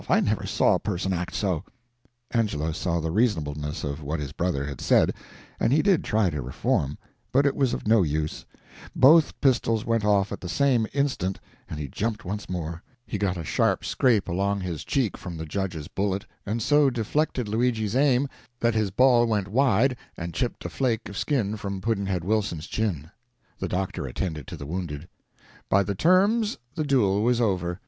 I never saw a person act so." Angelo saw the reasonableness of what his brother had said, and he did try to reform, but it was of no use; both pistols went off at the same instant, and he jumped once more; he got a sharp scrape along his cheek from the judge's bullet, and so deflected Luigi's aim that his ball went wide and chipped a flake of skin from Pudd'nhead Wilson's chin. The doctor attended to the wounded. By the terms, the duel was over.